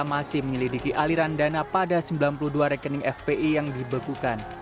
masih menyelidiki aliran dana pada sembilan puluh dua rekening fpi yang dibekukan